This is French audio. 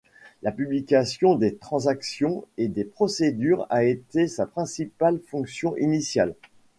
La publication des transactions et des procédures a été sa principale fonction initiale.